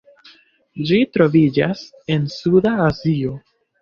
Ĝi troviĝas en Suda Azio.